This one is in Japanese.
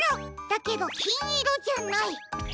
だけどきんいろじゃない。